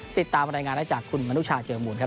ติดตามรายงานได้จากคุณมนุชาเจอมูลครับ